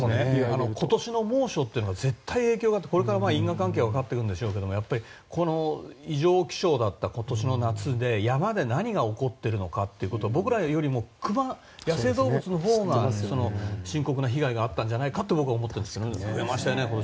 今年の猛暑というのが絶対、影響があってこれから因果関係がわかってくるんでしょうけどこの異常気象だった今年の夏で山で何が起こっているかって僕らよりも熊、野生動物のほうが深刻な被害があったんじゃないかって僕は思っていました。